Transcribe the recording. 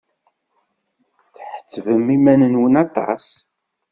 Tḥettbem iman-nwen aṭas!